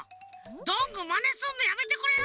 どんぐーまねすんのやめてくれる？